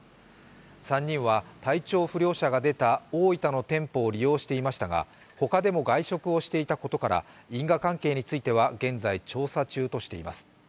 ３人は体調不良者が出た大分の店舗を利用していましたが他でも外食をしていたことから因果関係については現在調査中としています。